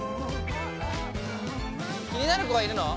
気になる子がいるの？